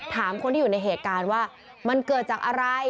ถามคนที่อยู่ในเหตุการณ์ว่ามันเกิดจากอะไร